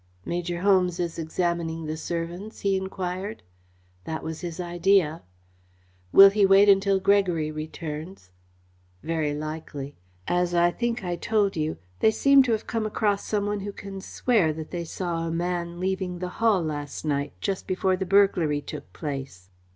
"Major Holmes is examining the servants?" he enquired. "That was his idea." "Will he wait until Gregory returns?" "Very likely. As I think I told you, they seem to have come across some one who can swear that they saw a man leaving the Hall last night, just before the burglary took place."